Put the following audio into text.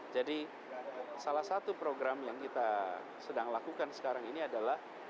jadi salah satu program yang kita sedang lakukan sekarang ini adalah